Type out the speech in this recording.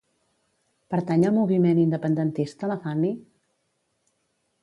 Pertany al moviment independentista la Fanny?